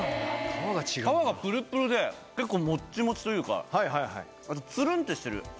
皮がぷるぷるで、結構もっちもちというか、あとつるんとしてる。